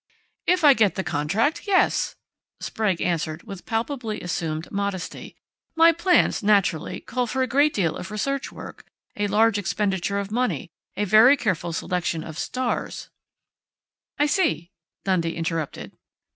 "If I get the contract yes," Sprague answered with palpably assumed modesty. "My plans, naturally, call for a great deal of research work, a large expenditure of money, a very careful selection of 'stars' " "I see," Dundee interrupted.